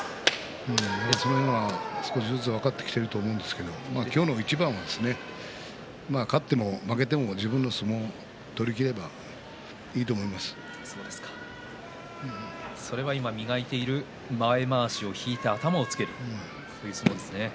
それが少しずつ分かってきていると思うんですけれど今日の一番は勝っても負けても自分の相撲を取りきればそれは今磨いている前まわしを引いて頭をつける相撲ですね。